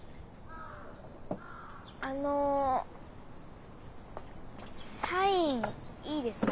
あのサインいいですか？